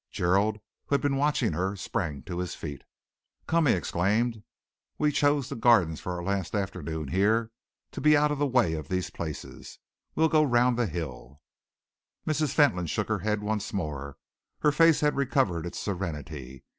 Gerald, who had been watching her, sprang to his feet. "Come," he exclaimed, "we chose the gardens for our last afternoon here, to be out of the way of these places! We'll go round the hill." Mrs. Fentolin shook her head once more. Her face had recovered its serenity.